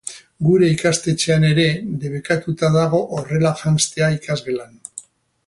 Gure ikastetxean ere debekatuta dago horrela janztea ikasgelan.